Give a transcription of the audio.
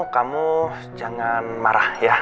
kamu jangan marah ya